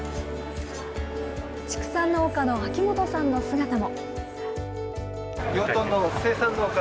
畜産農家の秋元さんの姿も。